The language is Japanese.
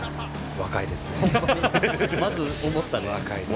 若いですね。